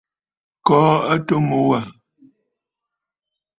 Kɔɔ atu mu wâ.